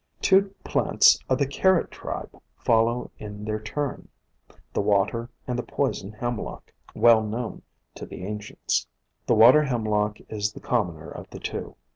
Two plants of the Carrot tribe follow in their POISONOUS PLANTS 175 turn, the Water and the Poison Hemlock, well known to the ancients. The Water Hemlock is the commoner of the two.